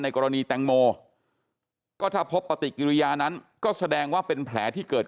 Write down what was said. กรณีแตงโมก็ถ้าพบปฏิกิริยานั้นก็แสดงว่าเป็นแผลที่เกิด